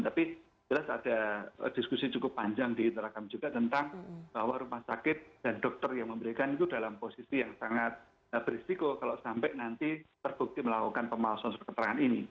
tapi jelas ada diskusi cukup panjang di interagam juga tentang bahwa rumah sakit dan dokter yang memberikan itu dalam posisi yang sangat berisiko kalau sampai nanti terbukti melakukan pemalsuan surat keterangan ini